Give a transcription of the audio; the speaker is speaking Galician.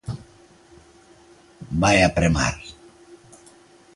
Vai apremar.